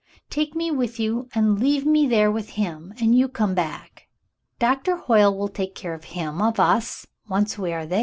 Take me with you, and leave me there with him, and you come back. Doctor Hoyle will take care of him — of us — once we are there."